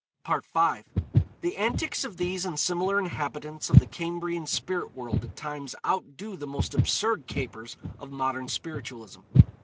V. The antics of these and similar inhabitants of the Cambrian spirit world at times outdo the most absurd capers of modern spiritualism.